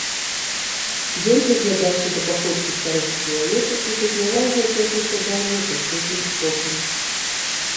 Ён прыглядаўся да паходкі старога чалавека і пазнаваў гэтае прысяданне за кожным крокам.